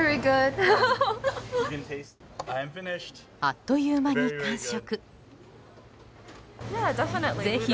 あっという間に完食。